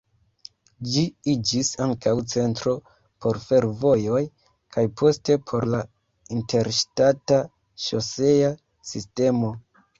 Ĝi iĝis ankaŭ centro por fervojoj, kaj poste por la interŝtata ŝosea sistemo.